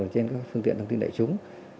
trên các phương tiện thông tin đại chúng